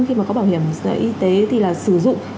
khi mà có bảo hiểm y tế thì là sử dụng